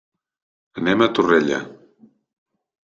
Anem a Torrella.